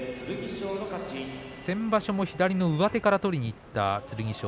先場所も左の上手から取りにいった剣翔